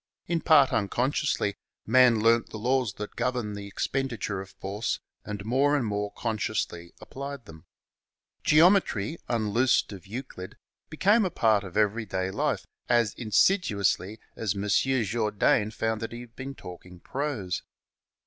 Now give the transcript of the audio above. In part unconsciously, man learnt the laws that govern the expenditure of force and more and more consciously applied them. Geometry, un loosed of Euclid, became a part of everyday life as in sidiously as M. Jourdain found that he had been talking prose.